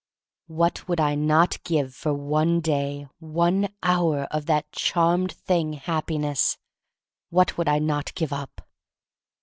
What would I not give for one day, one hour, of that charmed thing Happi ness! What would I not give up?